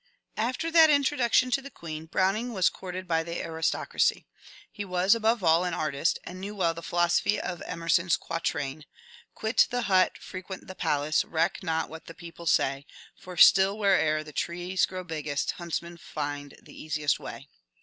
After that introduction to the Queen, Browning was courted by the aristocracy. He was above all an artist, and knew well the philosophy of Emerson's quatrain :— Quit the hut, frequent the palace — Reck not what the people say; For still where'er the trees grow biggest Huntsmen find the easiest way.